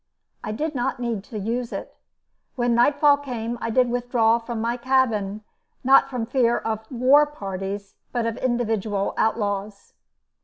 I did not need to use it. When nightfall came I did withdraw from my cabin, not from fear of war parties, but of individual outlaws.